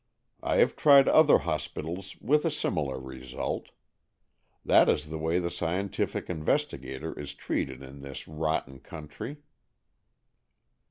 I have tried other hospitals with a similar result. That is the way the scientific investigator is treated in this rotten country."